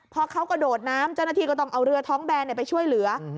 พอเขากระโดดน้ำเจ้าหน้าที่ก็ต้องเอาเรือท้องแบนไปช่วยเหลือ